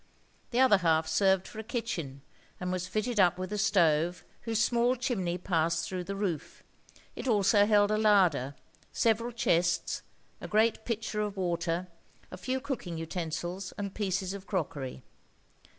The other half served for a kitchen, and was fitted up with a stove, whose small chimney passed through the roof. It also held a larder, several chests, a great pitcher of water, a few cooking utensils and pieces of crockery.